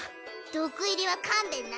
毒入りは勘弁な。